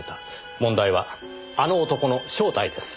問題は「あの男」の正体です。